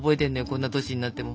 こんな歳になっても。